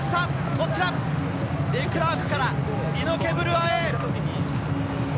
こちら、デクラークからイノケ・ブルアへ！